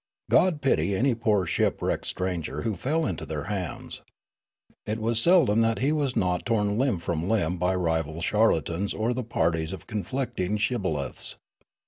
God pity any poor ship wrecked stranger who fell into their hands ! it was sel dom that he was not torn limb from limb bj rival charlatans or the parties of conflicting shibboleths.